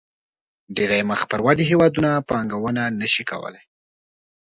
ډېری مخ پر ودې هېوادونه پانګونه نه شي کولای.